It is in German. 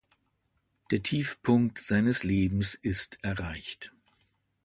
Der Tiefpunkt seines Lebens ist erreicht.